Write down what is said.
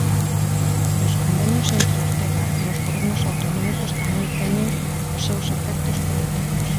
Os convenios entre Ortega e os gobernos autonómicos tamén teñen os seus efectos políticos.